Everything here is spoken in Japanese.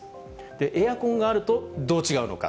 エアコンがあると、どう違うのか。